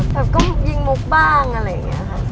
แบบก็ยิงมุกบ้างอะไรอย่างนี้ค่ะ